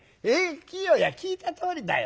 きよや聞いたとおりだよ。